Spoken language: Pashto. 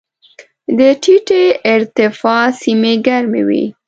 د ټیټې ارتفاع سیمې ګرمې وي.